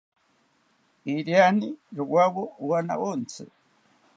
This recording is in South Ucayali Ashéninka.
Iriani rowawo owanawontzi